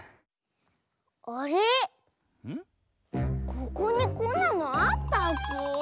ここにこんなのあったっけ？